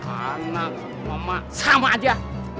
anak emak sama aja